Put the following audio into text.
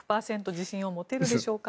自信を持てるんでしょうか。